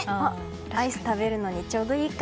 アイス食べるのにちょうどいいか。